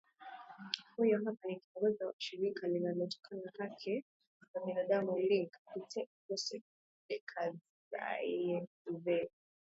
huyu hapa ni kiongozi wa shirika linalotetea haki za binaadam league itek joseph dekazaizei